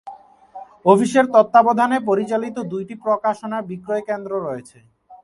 অফিসের তত্ত্বাবধানে পরিচালিত দুইটি প্রকাশনা বিক্রয় কেন্দ্র রয়েছে।